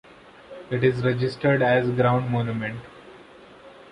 It is registered as a ground monument.